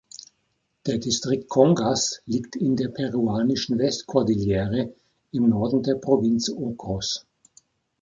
Der Distrikt Congas liegt in der peruanischen Westkordillere im Norden der Provinz Ocros.